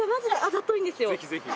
ぜひぜひ。